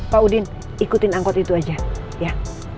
pak udin ikutin angkot itu aja ya